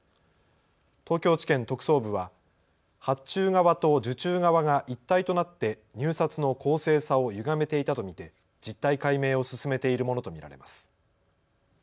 東京地検特捜部は発注側と受注側が一体となって入札の公正さをゆがめていたと見て実態解明を進めているものと見られます。